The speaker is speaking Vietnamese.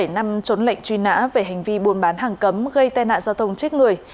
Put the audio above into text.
bảy năm trốn lệnh truy nã về hành vi buôn bán hàng cấm gây tai nạn giao thông chết người